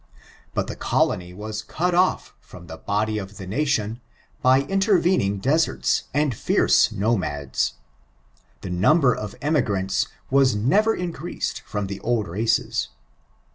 But the colony was cut off from the body of the nation by intervening deserts and fierce nomads. The number of emigrants was never increased from the old races.